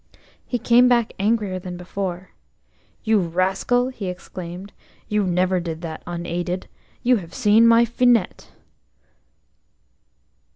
He came back angrier than before. "You rascal," he exclaimed, "you never did that unaided. You have seen my Finette."